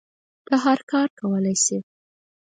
ته هر کار کولی شی